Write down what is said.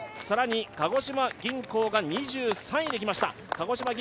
鹿児島銀行が２３位で来ました。